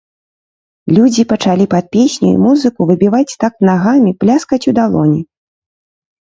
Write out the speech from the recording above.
Людзі пачалі пад песню і музыку выбіваць такт нагамі, пляскаць у далоні.